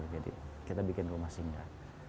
jadi kita bikin rumah singga